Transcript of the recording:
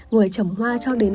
người trồng hoa cho đến